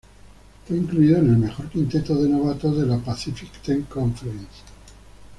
Fue incluido en el mejor quinteto de novatos de la Pacific Ten Conference.